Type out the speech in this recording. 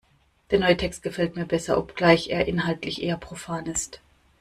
Der neue Text gefällt mir besser, obgleich er inhaltlich eher profan ist.